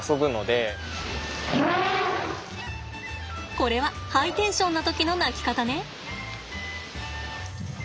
これはハイテンションな時の鳴き方ね。